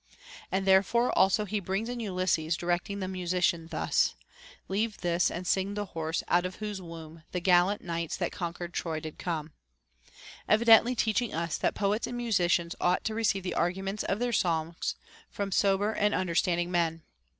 And therefore also he brings in Ulysses directing the mu sician thus, — Leave this, and sing the horse, out of whose womb The gallant knights that conquered Troy did come ;* evidently teaching us that poets and musicians ought to receive the arguments of their songs from sober and under * Odyss. VIII. 249 and 492. TO HEAR POEMS. 55 standing• men.